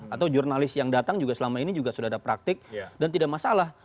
atau jurnalis yang datang juga selama ini juga sudah ada praktik dan tidak masalah